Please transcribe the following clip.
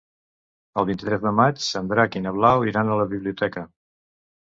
El vint-i-tres de maig en Drac i na Blau iran a la biblioteca.